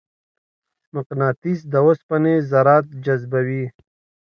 مقناطیس د اوسپنې ذرات جذبوي.